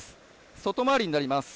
外回りになります。